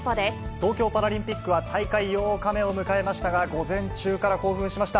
東京パラリンピックは大会８日目を迎えましたが、午前中から興奮しました。